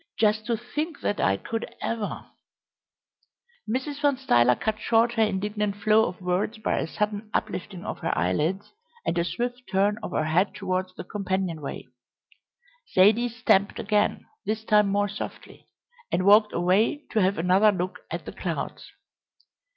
Just to think that I could ever " Mrs. Van Stuyler cut short her indignant flow of words by a sudden uplifting of her eyelids and a swift turn of her head towards the companion way. Zaidie stamped again, this time more softly, and walked away to have another look at the clouds.